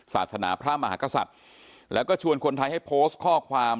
ศาสนาพระมหากษัตริย์แล้วก็ชวนคนไทยให้โพสต์ข้อความ